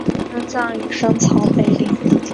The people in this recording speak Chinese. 安葬于深草北陵。